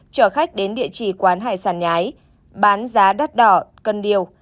chở khách đến địa chỉ quán hải sản nhái bán giá đắt đỏ cân điều